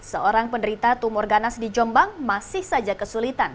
seorang penderita tumor ganas di jombang masih saja kesulitan